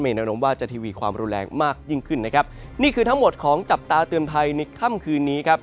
แนะนำว่าจะทีวีความรุนแรงมากยิ่งขึ้นนะครับนี่คือทั้งหมดของจับตาเตือนภัยในค่ำคืนนี้ครับ